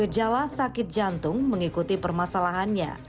gejala sakit jantung mengikuti permasalahannya